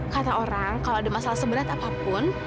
kata orang kalau ada masalah sebenarnya tak apa pun